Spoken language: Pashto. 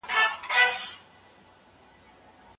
د قرآن لومړی پيغام د لوستلو په اړه و.